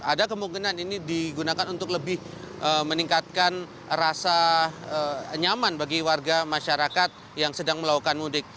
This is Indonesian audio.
ada kemungkinan ini digunakan untuk lebih meningkatkan rasa nyaman bagi warga masyarakat yang sedang melakukan mudik